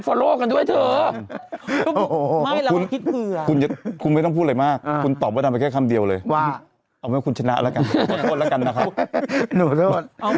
อย่างที่ผมทำมาคือว่าคุณชนะ